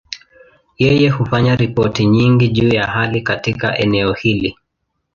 Yeye hufanya ripoti nyingi juu ya hali katika eneo hili.